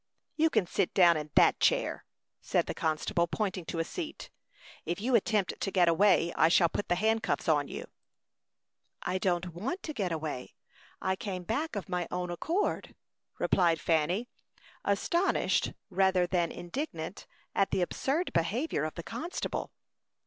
"You can sit down in that chair," said the constable, pointing to a seat. "If you attempt to get away, I shall put the handcuffs on you." "I don't want to get away. I came back of my own accord," replied Fanny, astonished rather than indignant at the absurd behavior of the constable.